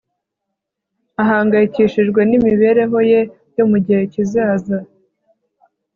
ahangayikishijwe n'imibereho ye yo mu gihe kizaza